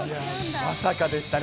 まさかでしたね。